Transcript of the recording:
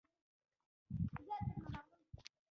څوک چې بښنه کوي، تل خوښ وي.